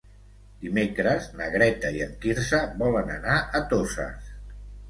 Dimecres na Greta i en Quirze volen anar a Toses.